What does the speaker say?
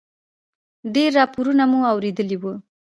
ډېر راپورونه مو اورېدلي و.